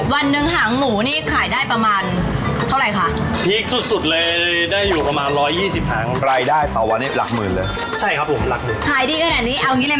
วันนึงหางหมูนี้ขายได้ประมาณเท่าไหร่คะ